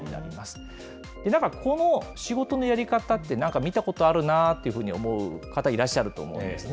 ただ、この仕事のやり方ってなんか見たことあるなっていうふうに思う方、いらっしゃると思うんですね。